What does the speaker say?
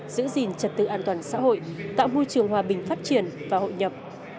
giữ gìn trật tự an toàn xã hội tạo môi trường hòa bình phát triển và hội nhập